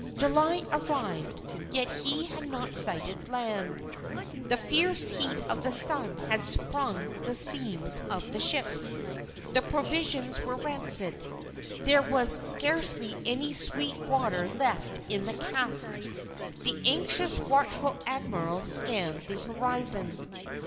July arrived, yet he had not sighted land. The fierce heat of the sun had sprung the seams of the ships. The provisions were rancid. There was scarcely any sweet water left in the casks. The anxious, watchful Admiral scanned the horizon.